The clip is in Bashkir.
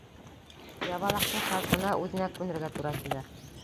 Ябалаҡтың шартына үҙенә күнергә тура килә.